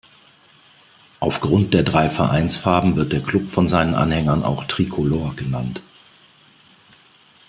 Aufgrund der drei Vereinsfarben wird der Klub von seinen Anhängern auch "Tricolor" genannt.